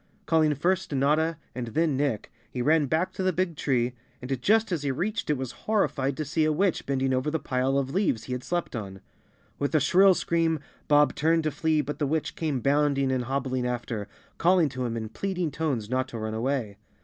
Calling first Notta and then Nick, he ran back to the big tree, and just as he reached it was horrified to see a witch bending over the pile of leaves he had slept on. With a shrill scream Bob turned to flee but the witch came bounding and hobbling after, calling to him in pleading tones not to run away.